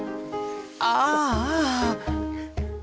ああ。